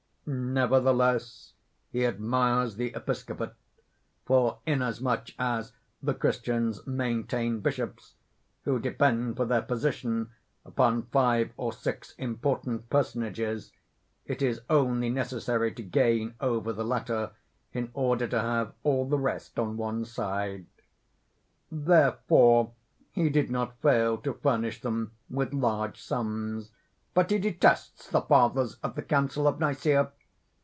Nevertheless, he admires the episcopate; for inasmuch as the Christians maintain bishops, who depend for their position upon five or six important personages, it is only necessary to gain over the latter, in order to have all the rest on one's side. Therefore he did not fail to furnish them with large sums. But he detests the Fathers of the Council of Nicæa.